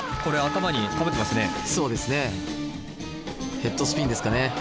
ヘッドスピンですかね。